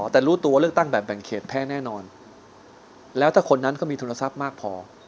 แต่รู้ตัวเลือกตั้งแบบแบ่งเขตแพ้แน่นอนแล้วถ้าคนนั้นก็มีทุนทรัพย์มากพอ